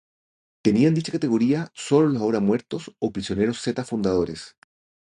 Tenían dicha categoría sólo los ahora muertos o prisioneros Zetas fundadores.